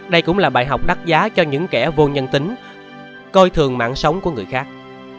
đây cũng là bài học đắt giá cho những kẻ vô nhân tính coi thường mạng sống của người khác